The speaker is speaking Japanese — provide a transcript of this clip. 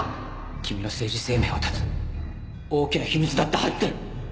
君の政治生命を断つ大きな秘密だって入ってる。